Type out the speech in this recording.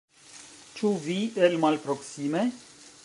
Ĉu vi el malproksime?